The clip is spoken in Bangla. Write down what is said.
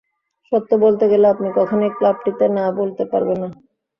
সত্য বলতে গেলে আপনি কখনই ক্লাবটিকে না বলতে পারবেন না।